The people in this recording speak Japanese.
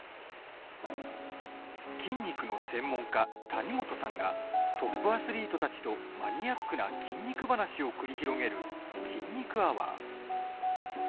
筋肉の専門家、谷本さんがトップアスリートたちとマニアックな筋肉話を繰り広げる「筋肉アワー」。